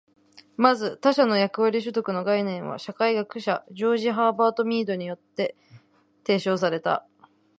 まず、「他者の役割取得」の概念は社会学者ジョージ・ハーバート・ミードによって提唱された。